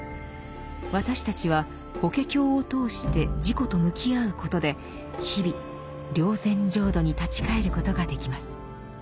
私たちは「法華経」を通して自己と向き合うことで日々「霊山浄土」に立ち返ることができます。